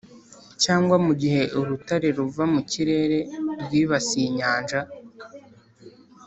cyangwa mugihe urutare ruva mukirere rwibasiye inyanja.